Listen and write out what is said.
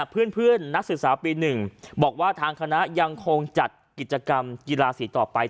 เพื่อนนักศึกษาปี๑บอกว่าทางคณะยังคงจัดกิจกรรมกีฬาสีต่อไป